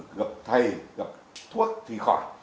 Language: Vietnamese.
gặp thầy gặp thuốc thì khỏi